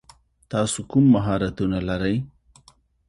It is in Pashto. تاسو کوم مهارتونه لری ؟